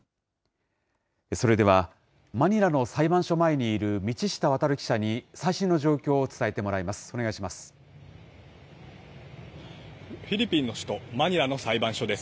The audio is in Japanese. それではマニラの裁判所前にいる道下航記者に最新の状況を伝えてもらいます。